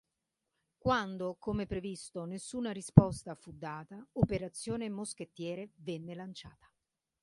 Quando, come previsto, nessuna risposta fu data, operazione Moschettiere venne lanciata.